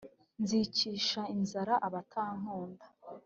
nzicisha inzara abatankunda